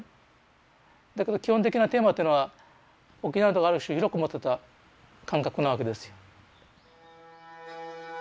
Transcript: だけど基本的なテーマっていうのは沖縄の人がある種広く持ってた感覚なわけですよ。